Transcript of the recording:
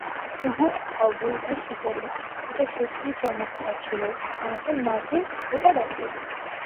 উহু - অবৈধ শিকারি এটা সত্যিই চমৎকার ছিল, আংকেল মার্টিন - ওটা দেখ?